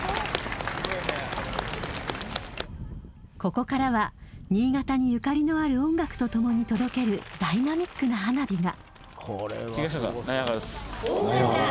ここからは新潟にゆかりのある音楽とともに届けるダイナミックな花火が。